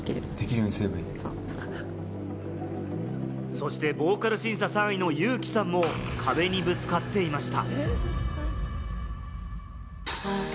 そしてボーカル審査３位のユウキさんも壁にぶつかっていました。